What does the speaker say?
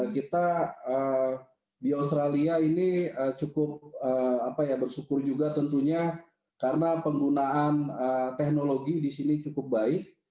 kita di australia ini cukup bersyukur juga tentunya karena penggunaan teknologi di sini cukup baik